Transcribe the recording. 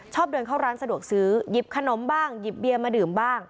เดินเข้าร้านสะดวกซื้อหยิบขนมบ้างหยิบเบียร์มาดื่มบ้าง